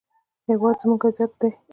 هېواد زموږ عزت دی